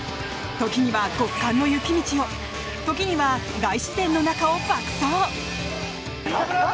時には極寒の雪道を時には大自然の中を爆走。